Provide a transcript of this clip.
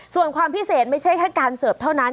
ส่วนความพิเศษไม่ใช่แค่การเสิร์ฟเท่านั้น